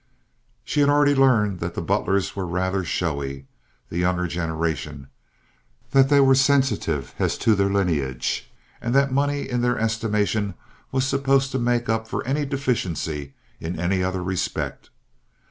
She had already learned that the Butlers were rather showy—the younger generation—that they were sensitive as to their lineage, and that money in their estimation was supposed to make up for any deficiency in any other respect.